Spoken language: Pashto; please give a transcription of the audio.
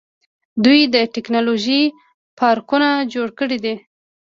دوی د ټیکنالوژۍ پارکونه جوړ کړي دي.